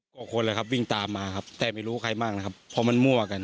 นี่ล่ะไนฮอนกับไนโน่ตำรวจก็เพิ่งเข้ามาครับมันวาน